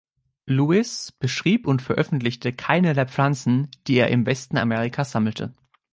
Lewis beschrieb und veröffentlichte keine der Pflanzen, die er im Westen Amerikas sammelte.